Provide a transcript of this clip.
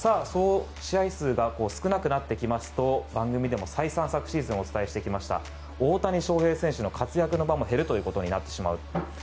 試合数が少なくなってきますと番組でも再三昨シーズンお伝えしてきました大谷翔平選手の活躍の場も減るということになってしまう。